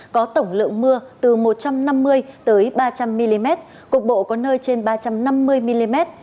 có tổng lượng mưa từ một trăm năm mươi ba trăm linh mm cục bộ có nơi trên ba trăm năm mươi mm